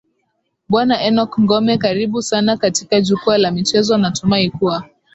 bwana enock ngome karibu sana katika jukwaa la michezo natumai kuwa